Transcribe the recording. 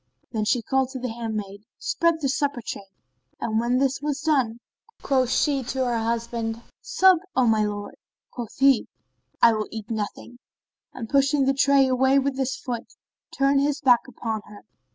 Then she called to the handmaid, "Spread the supper tray;" and when this was done quoth she to her husband "Sup, O my lord." Quoth he, "I will eat nothing," and pushing the tray away with his foot, turned his back upon her.